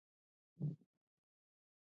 که له ښځې او سړي سره نابرابر چلند ولرو.